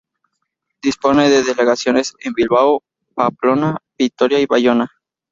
Dispone de delegaciones en Bilbao, Pamplona, Vitoria y Bayona.